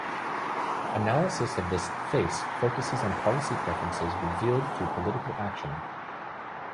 Analysis of this "face" focuses on policy preferences revealed through political action.